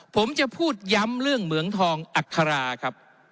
ผมจะพูดย้ำเรื่องเหมืองทองอัคราครับ